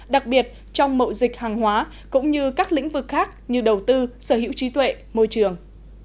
đặc biệt trong mậu dịch hàng hóa cũng như các lĩnh vực khác như đầu tư sở hữu trí tuệ môi trường